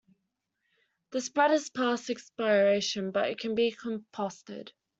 This bread is past its expiration, but it can be composted.